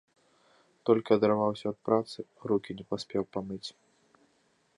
Толькі адарваўся ад працы, рукі не паспеў памыць.